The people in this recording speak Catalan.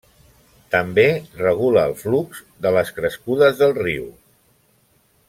També regula el flux de les crescudes del riu.